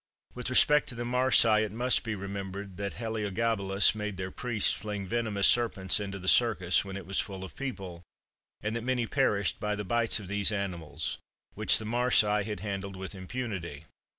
With respect to the marsi, it must be remembered, that Heliogabalus made their priests fling venomous serpents into the circus when it was full of people, and that many perished by the bites of these animals, which the marsi had handled with impunity.